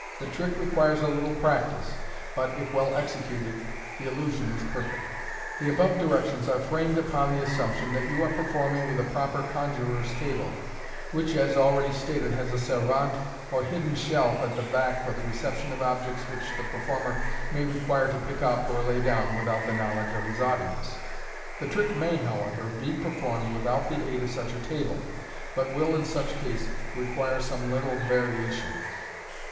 The trick requires a little practice, but, if well executed, the illusion is perfect. The above directions are framed upon the assumption that you are performing with a proper conjuror's table, which, as already Stated, has a servante, or hidden shelf, at the back for the reception of objects which the performer may require to pick up or lay down without the knowledge of his audience. The trick may, however, MODERN MAGIC. in be performed without the aid of such a table, but will, in such case, require some little variation.